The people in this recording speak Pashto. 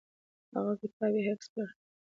هغه کتاب یې حفظ کړ.